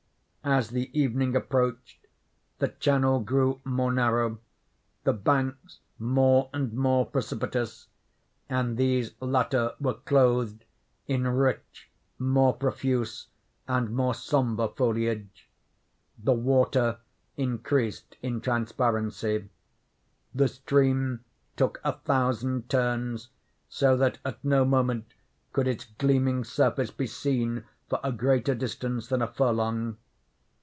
As the evening approached, the channel grew more narrow; the banks more and more precipitous; and these latter were clothed in rich, more profuse, and more sombre foliage. The water increased in transparency. The stream took a thousand turns, so that at no moment could its gleaming surface be seen for a greater distance than a furlong.